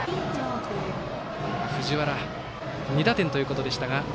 藤原、２打点ということでした。